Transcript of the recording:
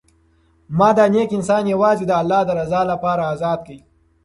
ما دا نېک انسان یوازې د الله د رضا لپاره ازاد کړ.